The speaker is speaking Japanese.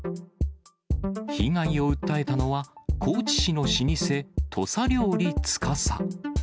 被害を訴えたのは、高知市の老舗、土佐料理司。